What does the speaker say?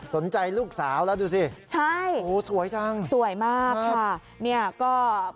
สนใจลูกสาวแล้วดูสิใช่โอ้สวยจังสวยมากค่ะเนี่ยก็